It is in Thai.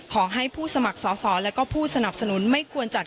ขอให้ผู้สมัครสอสอและก็ผู้สนับสนุนไม่ควรจัด